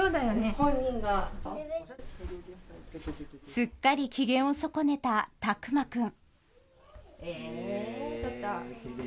すっきり機嫌を損ねた巧眞くん。